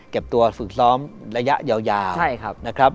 ตัวฝึกซ้อมระยะยาวนะครับ